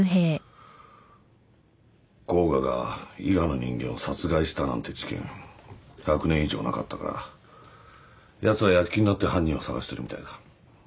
甲賀が伊賀の人間を殺害したなんて事件１００年以上なかったからやつら躍起になって犯人を捜してるみたいだ。